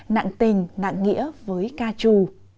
nặng tình nặng nghĩa với ca chủ